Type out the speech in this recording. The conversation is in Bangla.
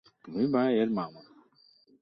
বলে ঘরের কোণ থেকে লণ্ঠনটা কাছে নিয়ে এল।